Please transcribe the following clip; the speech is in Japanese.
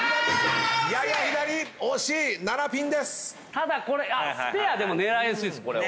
ただこれスペア狙いやすいっすこれは。